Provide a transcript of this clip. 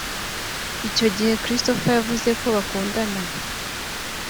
Icyo gihe Christopher yavuze ko bakundana